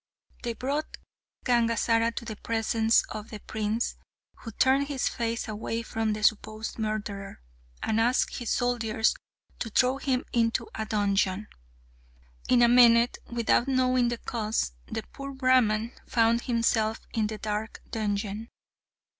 They brought Gangazara to the presence of the prince, who turned his face away from the supposed murderer, and asked his soldiers to throw him into a dungeon. In a minute, without knowing the cause, the poor Brahman found himself in the dark dungeon.